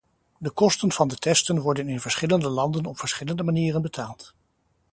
De kosten van de testen worden in verschillende landen op verschillende manieren betaald.